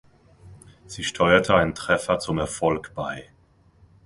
Sie steuerte einen Treffer zum Erfolg bei.